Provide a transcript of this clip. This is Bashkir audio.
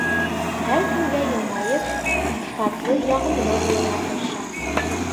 Һәр кемгә йылмайып, илтифатлы, яғымлы булырға тырыша.